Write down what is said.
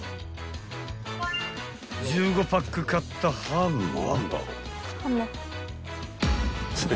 ［１５パック買ったハムは］